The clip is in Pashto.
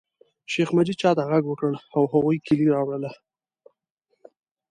شیخ مجید چاته غږ وکړ او هغوی کیلي راوړله.